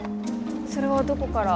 それはどこから？